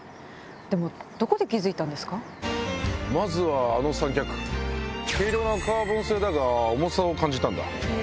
まずはあの三脚軽量なカーボン製だが重さを感じたんだ。